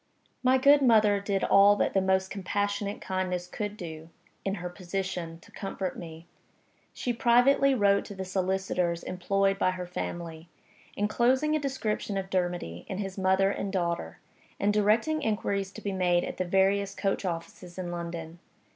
My good mother did all that the most compassionate kindness could do (in her position) to comfort me. She privately wrote to the solicitors employed by her family, inclosing a description of Dermody and his mother and daughter and directing inquiries to be made at the various coach offices in London.